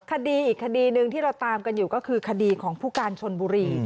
คดีอีกคดีหนึ่งที่เราตามกันอยู่ก็คือคดีของผู้การชนบุรี